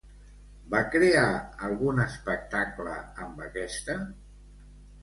Va crear algun espectacle amb aquesta?